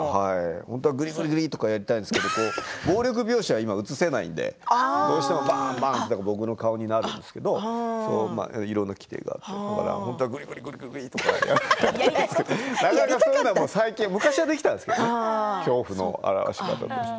本当はぐりぐりぐりとかやりたいんですけど暴力描写は今映せないのでどうしても僕の顔になるんですけどいろんな規定があって本当はぐりぐりやりたかったんですけどなかなか最近ね昔はできたんですけど恐怖の表し方として。